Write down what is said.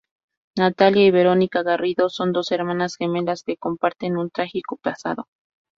Natalia y Veronica Garrido son dos hermanas gemelas que comparten un trágico pasado.